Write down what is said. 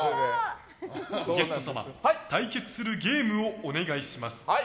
ゲスト様対決するゲームをお願いします。